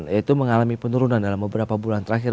yaitu mengalami penurunan dalam beberapa bulan terakhir